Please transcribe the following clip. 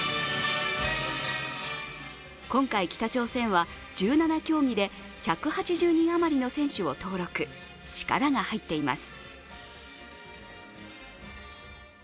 今回、北朝鮮は１７競技で１８０人余りの選手を登録、力が入っています。